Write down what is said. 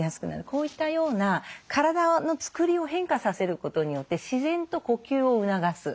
こういったような体のつくりを変化させることによって自然と呼吸を促す。